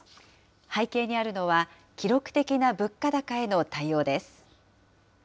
背景にあるのは、記録的な物価高への対応です。